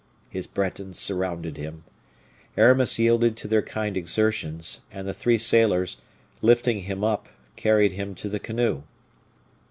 His Bretons surrounded him; Aramis yielded to their kind exertions, and the three sailors, lifting him up, carried him to the canoe.